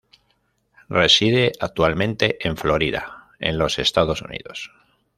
Reside actualmente en Florida en los Estados Unidos.